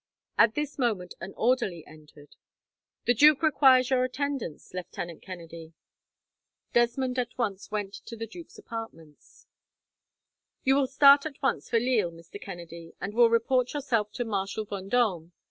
At this moment an orderly entered. "The duke requires your attendance, Lieutenant Kennedy." Desmond at once went to the duke's apartments. "You will start at once for Lille, Mr. Kennedy, and will report yourself to Marshal Vendome.